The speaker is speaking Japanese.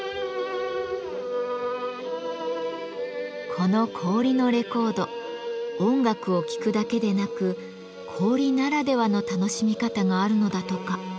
この氷のレコード音楽を聴くだけでなく氷ならではの楽しみ方があるのだとか。